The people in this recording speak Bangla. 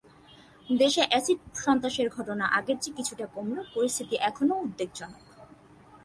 দেশে অ্যাসিড সন্ত্রাসের ঘটনা আগের চেয়ে কিছুটা কমলেও পরিস্থিতি এখনো উদ্বেগজনক।